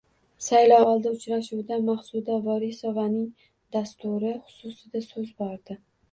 Saylovoldi uchrashuvda Maqsuda Vorisovaning dasturi xususida so‘z bordi